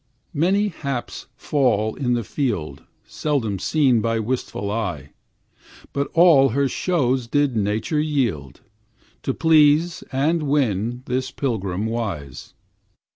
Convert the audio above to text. Many haps fall in the field Seldom seen by wishful eyes, But all her shows did Nature yield, To please and win this pilgrim wise.